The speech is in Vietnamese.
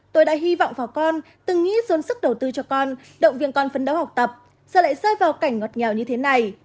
tôi đã hy vọng vào con từng nghĩ dồn sức đầu tư cho con động viên con phấn đấu học tập giờ lại rơi vào cảnh ngọt ngào như thế này